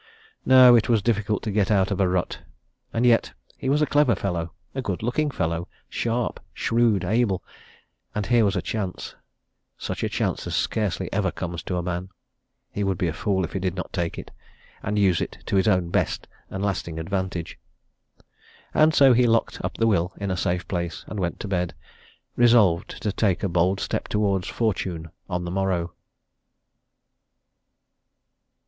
No it was difficult to get out of a rut. And yet he was a clever fellow, a good looking fellow, a sharp, shrewd, able and here was a chance, such a chance as scarcely ever comes to a man. He would be a fool if he did not take it, and use it to his own best and lasting advantage. And so he locked up the will in a safe place, and went to bed, resolved to take a bold step towards fortune on the morrow.